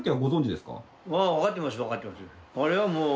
あれはもう。